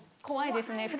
怖いですね。